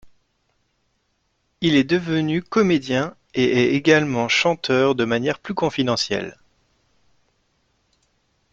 Il est devenu comédien et est également chanteur de manière plus confidentielle.